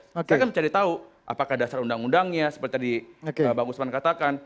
saya kan mencari tahu apakah dasar undang undangnya seperti tadi pak guzman katakan